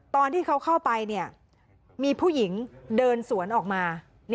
ตอนที่เขาเข้าไปมีผู้หญิงเดินสวนออกมา